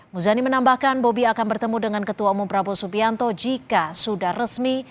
muzani menambahkan bobi akan bertemu dengan ketua umum prabowo subianto jika sudah resmi